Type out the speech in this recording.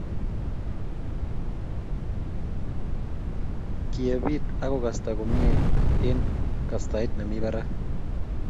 Kiebit akokasta komie eng kastaet nemi barak